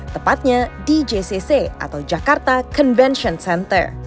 tepatnya di jcc atau jakarta convention center